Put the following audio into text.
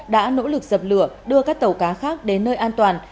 đã nỗ lực dập lửa đưa các tàu cá khác đến nơi an toàn